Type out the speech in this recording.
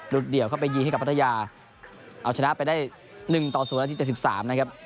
รุ่นเดี่ยวเข้าไปยีให้กับปัทยาเอาชนะไปได้๑๐นาที๑๓นะครับ